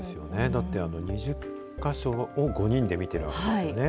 だって、２０か所を５人で見ているわけですよね。